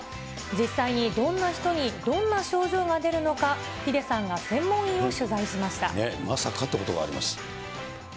実際にどんな人にどんな症状が出るのか、ヒデさんが専門医を取材まさかということがあります。